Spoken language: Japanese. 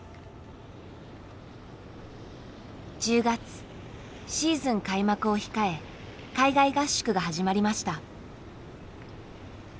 １０月シーズン開幕を控え海外合宿が始まりました。